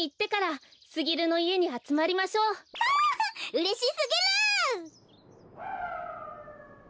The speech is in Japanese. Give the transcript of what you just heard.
うれしすぎる！